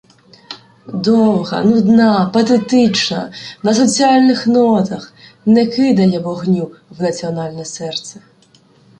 Довга, нудна, патетична, на соціальних нотах, не кидає вогню в національне серце.